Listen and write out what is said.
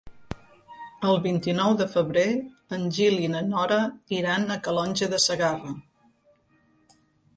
El vint-i-nou de febrer en Gil i na Nora iran a Calonge de Segarra.